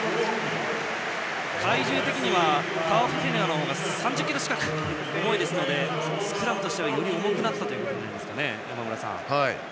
体重的にはタオフィフェヌア選手の方が３０ｋｇ近く重いですのでスクラムとしてはより重くなったことになります。